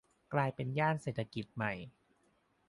กลายเป็นย่านเศรษฐกิจใหม่